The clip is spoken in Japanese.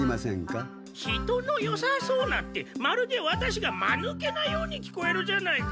人のよさそうなってまるでワタシがまぬけなように聞こえるじゃないか。